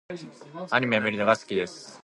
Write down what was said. アニメを見るのが好きです。